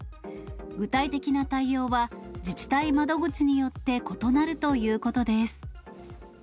具体的な対応は自治体窓口によって異なるということです。